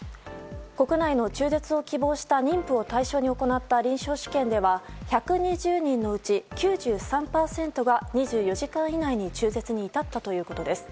国内の中絶を希望した妊婦を対象に行った臨床試験では１２０人のうち９３％が２４時間以内に中絶に至ったということです。